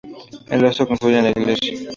El rastro confluye en la iglesia.